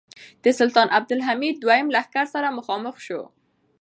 د سلطان عبدالحمید دوهم له لښکر سره هم مخامخ شو.